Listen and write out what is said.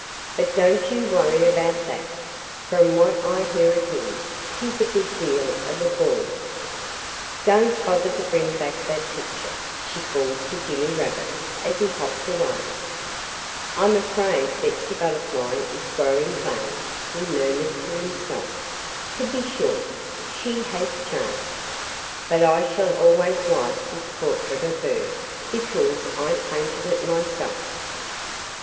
"But don't you worry about that! From what I hear of him, he's a good deal of a bore." "Don't bother to bring back that picture!" she called to Jimmy Rabbit as he hopped away. "I'm afraid Betsy Butterfly is growing vain," he murmured to himself. "To be sure, she has changed. But I shall always like this portrait of her, because I painted it myself."